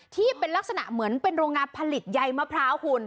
ที่เป็นลักษณะเหมือนเป็นโรงงานผลิตใยมะพร้าวคุณ